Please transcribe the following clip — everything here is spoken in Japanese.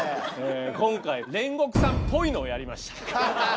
今回獄さんっぽいのをやりました。